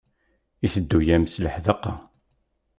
Yetteddu-am s leḥdaqa?